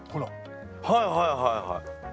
はいはいはいはい。